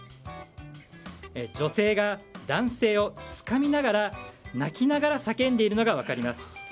女性が男性をつかみ泣きながら叫んでいるのが分かります。